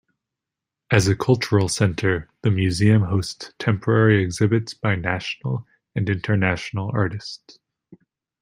As a cultural center, the museum hosts temporary exhibits by national and international artists.